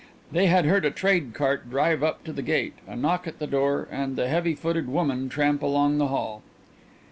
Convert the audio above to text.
They had heard a trade cart drive up to the gate, a knock at the door, and the heavy footed woman tramp along the hall.